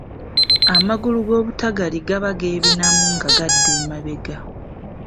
Amagulu g’obutagali gaba geebinamu nga gadda emabega.